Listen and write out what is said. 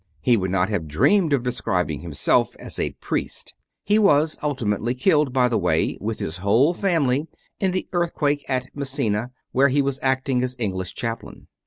He would not have dreamed of describing himself as a "priest." (He was ultimately killed, by the way, with his whole family in the CONFESSIONS OF A CONVERT 45 earthquake at Messina where he was acting as English chaplain.)